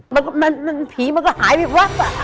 มันก็มันมันผีมันก็หายไปว๊ะ